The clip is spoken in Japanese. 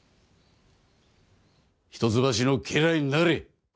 一橋の家来になれ。